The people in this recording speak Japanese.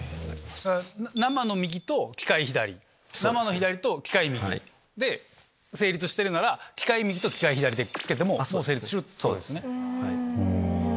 生の右と機械左生の左と機械右成立してるなら機械右と機械左でくっつけても成立するってことですね。